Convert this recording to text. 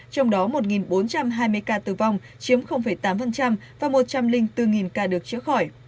trong đó một bốn trăm hai mươi ca tử vong chiếm tám và một trăm linh bốn ca được chữa khỏi